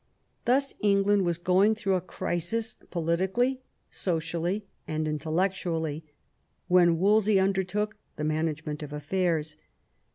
Thus England was going through a crisis politically, socially, and intellectually, when Wolsey undertook the management of affairs.